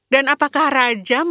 dan apakah raja makan kentang panggang